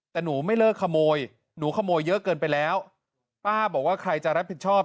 แต่หนูไม่เลิกขโมยหนูขโมยเยอะเกินไปแล้วป้าบอกว่าใครจะรับผิดชอบ